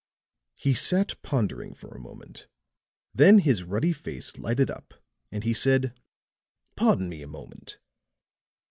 He sat pondering for a moment; then his ruddy face lighted up, and he said: "Pardon me a moment."